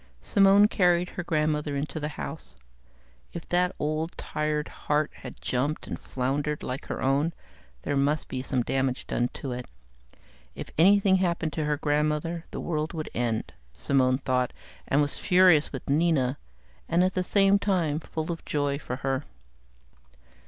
Simone carried her grandmother into the house. If that old, tired heart had jumped and floundered like her own, there must be some damage done to it. If anything happened to her grandmother, the world would end, Simone thought, and was furious with Nina, and at the same time, full of joy for her.